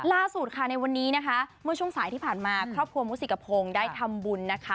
ล่าสุดค่ะในวันนี้นะคะเมื่อช่วงสายที่ผ่านมาครอบครัวมุสิกพงศ์ได้ทำบุญนะคะ